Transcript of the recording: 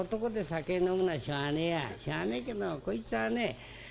しょうがねえけどこいつはね